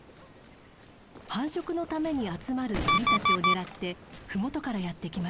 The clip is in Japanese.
繁殖のために集まる鳥たちを狙って麓からやって来ました。